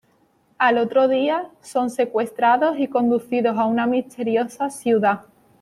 Al otro día, son secuestrados y conducidos a una misteriosa ciudad.